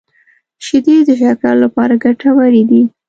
شیدې د شکر لپاره ګټورې دي